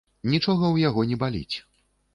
Нічога ў яго не баліць.